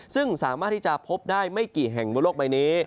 ซึ่งสามารถที่จะพบได้ไม่กี่แห่งบนโลกใบนี้